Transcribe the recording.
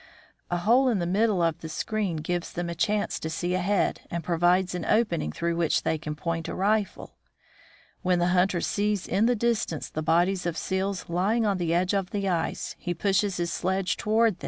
A hole in the middle of the screen gives them a chance to see ahead, and provides an opening through which they can point a rifle. When the hunter sees in the distance the bodies of seals lying on the edge of the ice, he pushes his sledge toward A Herd of Seals.